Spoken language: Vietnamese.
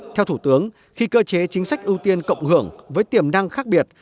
theo thủ tướng khi cơ chế chính sách ưu tiên cộng hưởng với tiềm năng khác biệt